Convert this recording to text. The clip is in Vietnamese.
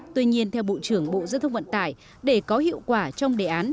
tuy nhiên theo bộ trưởng bộ giao thông vận tải để có hiệu quả trong đề án